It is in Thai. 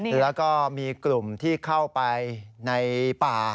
แล้วก็มีกลุ่มที่เข้าไปในป่า